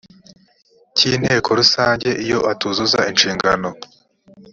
cy inteko rusange iyo atuzuza inshingano